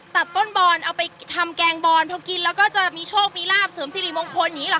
ตัดต้นบอนเอาไปทำแกงบอลพอกินแล้วก็จะมีโชคมีลาบเสริมสิริมงคลอย่างนี้เหรอ